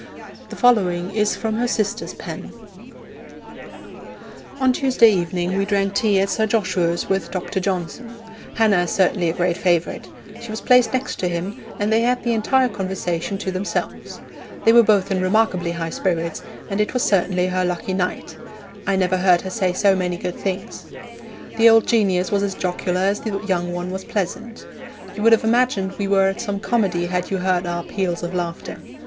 The following is from her sister's pen: On Tuesday evening we drank tea at Sir Joshua's with Dr. Johnson. Hannah is certainly a great favourite. She was placed next him, and they had the entire conversation to themselves. They were both in remarkably high spirits, and it was certainly her lucky night; I never heard her say so many good things. The old genius was as jocular as the young one was pleasant. You would have imagined we were at some comedy had you heard our peals of laughter.